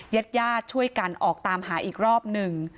เย็ดยาดช่วยกันออกตามหาอีกรอบหนึ่ง